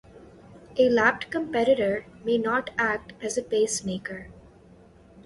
A lapped competitor may not act as a pacemaker.